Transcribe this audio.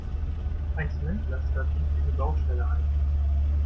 Ein Zementlaster biegt in die Baustelle ein.